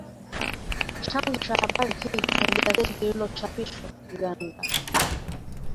Chanzo cha habari hii ni gazeti linalochapishwa Uganda